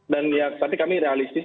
dan ya tapi kami realistis